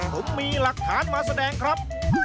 ผมมีหลักฐานมาแสดงครับ